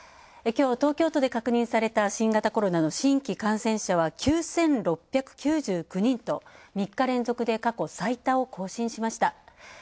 きょう、東京都で確認された新型コロナの新規感染者は９６９９人と３日連続で過去最多を更新しました。